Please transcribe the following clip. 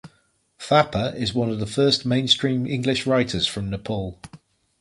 Thapa is one of the first mainstream English writers from Nepal.